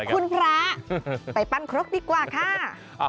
คุณพระไปปั้นครกดีกว่าค่ะ